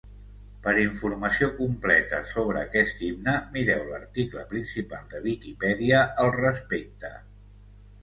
Per informació completa sobre aquest himne, mireu l'article principal de Viquipèdia al respecte.